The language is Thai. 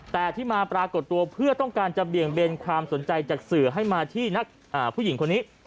แต่ที่มาปรากฏตัวเพื่อต้องการจะเบี่ยงเบนความสนใจจากสื่อให้มาที่นักผู้หญิงคนนี้